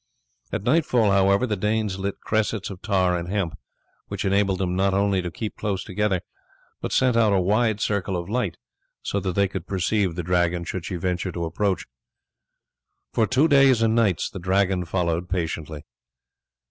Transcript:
At nightfall, however, the Danes lit cressets of tar and hemp, which enabled them not only to keep close together, but sent out a wide circle of light, so that they could perceive the Dragon should she venture to approach. For two days and nights the Dragon followed patiently.